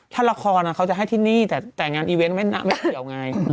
ถ้าละครเขาจะให้ที่นี่แต่แต่งงานอีเวนต์ไม่เกี่ยวไง